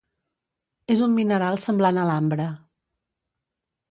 És un mineral semblant a l'ambre.